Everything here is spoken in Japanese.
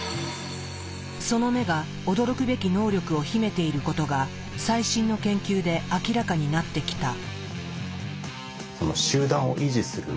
その目が驚くべき能力を秘めていることが最新の研究で明らかになってきた。